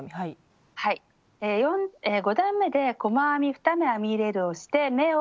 ５段めで細編み２目編み入れるをして目を増やします。